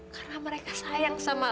karena mereka sayang sama ra